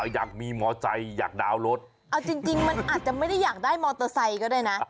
อยากมีมอไซค์อยากดาวน์รถเอาจริงมันอาจจะไม่ได้อยากได้มอเตอร์ไซค์ก็ได้นะ